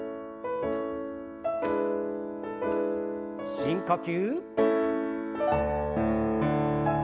深呼吸。